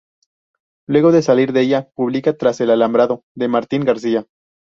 Luego de salir de ella, pública "Tras el alambrado de Martín García".